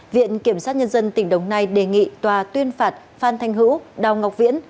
viện kiểm sát nhân dân tỉnh đồng nai đề nghị tòa tuyên phạt phan thanh hữu đào ngọc viễn